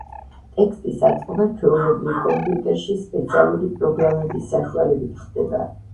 ტექსტის აწყობა ჩვეულებრივ, კომპიუტერში, სპეციალური პროგრამების საშუალებით ხდება.